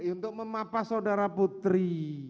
untuk memapah saudara putri